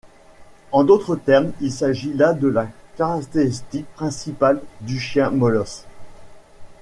En d’autres termes, il s’agit là de la caractéristique principale du chien molosse.